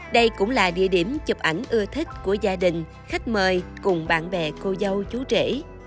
đây cũng là địa điểm chụp ảnh ưa thích của gia đình khách mời cùng bạn bè cô dâu chú trẻ